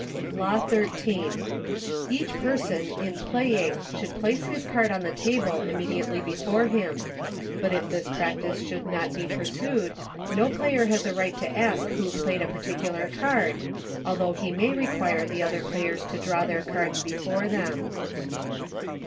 Law XIII. Each person, in playing, should place his card on the table immediately before him, but if this practice should not be pursued no player has a right to ask who played a par ticular card, although he may require the other players to draw their cards before them.